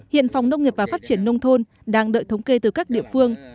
hiện phòng nông nghiệp và phát triển nông thôn đang đợi thống kê từ các địa phương